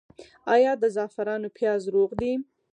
آیا د زعفرانو پیاز روغ دي؟